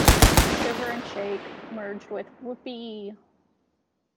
"Shiver and Shake" merged with "Whoopee!